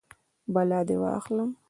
بلا دې واخلم.